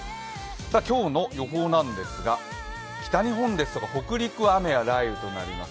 今日の予報なんですが北日本ですとか北陸は雨や雷雨となります。